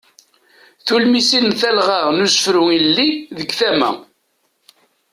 Tulmisin n talɣa n usefru ilelli deg tama.